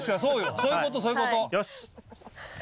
そういうことそういうこと。